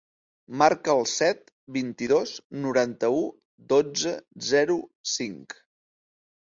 Marca el set, vint-i-dos, noranta-u, dotze, zero, cinc.